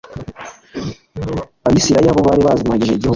Abasiriya bo bari bazimagije igihugu